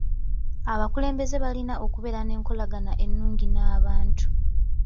Abakulembeze balina okubeera nenkolagana ennungi n'abantu.